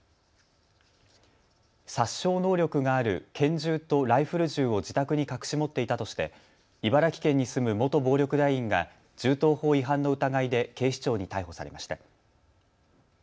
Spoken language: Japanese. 殺傷能力がある拳銃とライフル銃を自宅に隠し持っていたとして茨城県に住む元暴力団員が銃刀法違反の疑いで警視庁に逮捕されました。